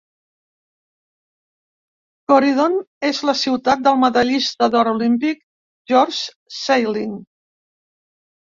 Corydon és la ciutat del medallista d'or olímpic George Saling.